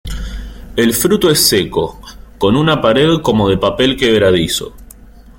El fruto es seco, con una pared como de papel quebradizo.